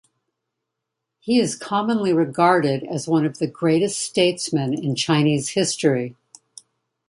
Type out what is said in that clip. He is commonly regarded as one of the greatest statesmen in Chinese history.